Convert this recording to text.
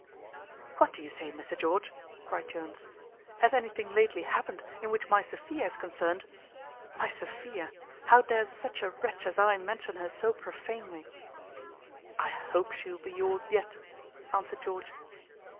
"What do you say, Mr George?" cried Jones. "Hath anything lately happened in which my Sophia is concerned? My Sophia! how dares such a wretch as I mention her so profanely." "I hope she will be yours yet," answered George.